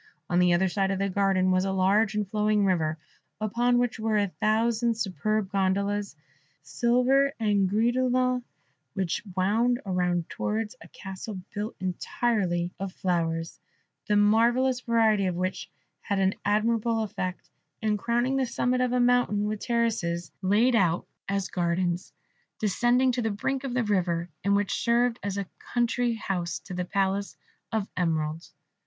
On the other side of the garden was a large and flowing river, upon which were a thousand superb gondolas, silver and gris de lin, which wound round towards a castle built entirely of flowers, the marvellous variety of which had an admirable effect, and crowning the summit of a mountain with terraces laid out as gardens, descending to the brink of the river, and which served as a country house to the Palace of Emeralds.